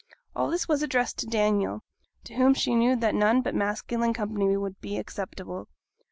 All this was addressed to Daniel, to whom she knew that none but masculine company would be acceptable.